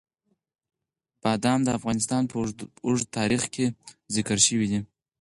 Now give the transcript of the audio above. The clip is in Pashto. بادام د افغانستان په اوږده تاریخ کې ذکر شوي دي.